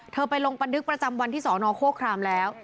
ไปลงบันทึกประจำวันที่สอนอโฆครามแล้ว